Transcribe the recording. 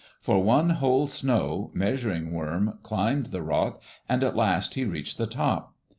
For one whole snow, Measuring Worm climbed the rock, and at last he reached the top.